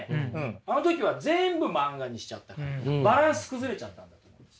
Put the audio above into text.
あの時は全部漫画にしちゃったからバランス崩れちゃったんだと思います。